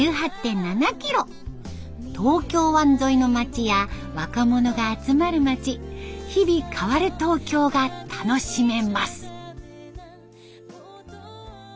東京湾沿いの町や若者が集まる町日々変わる東京が楽しめます。